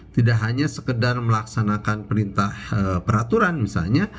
tidak hanya sekedar melaksanakan perintah peraturan misalnya